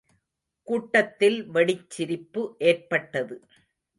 கூட்டத்தில் வெடிச் சிரிப்பு ஏற்பட்டது.